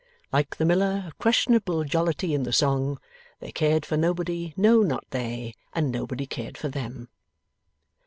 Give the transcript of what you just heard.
Like the Miller of questionable jollity in the song, They cared for Nobody, no not they, and Nobody cared for them.